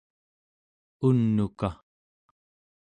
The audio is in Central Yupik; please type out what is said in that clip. un'uka